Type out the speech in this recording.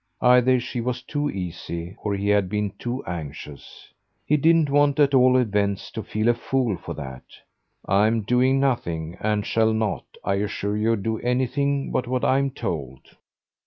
Either she was too easy or he had been too anxious. He didn't want at all events to feel a fool for that. "I'm doing nothing and shall not, I assure you, do anything but what I'm told."